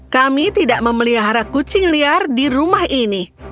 kami tidak memelihara kucing liar di rumah ini